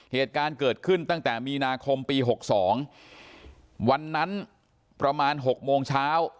เหตุการณ์เกิดขึ้นตั้งแต่มีนาคมปี๖๒วันนั้นประมาณ๖โมงเช้า